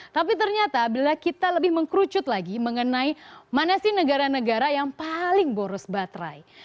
tapi ternyata bila kita lebih mengkerucut lagi mengenai mana sih negara negara yang paling boros baterai